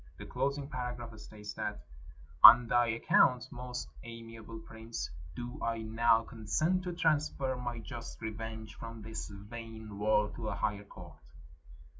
The closing paragraph states that — "On thy account, most amiable prince, do I now con sent to transfer my just revenge from this vain world to a higher court."